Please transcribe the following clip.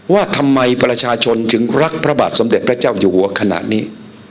ว่าทำไมประชาชนถึงรักพระบาทสมเด็จพระเจ้าอยู่หัวขณะนี้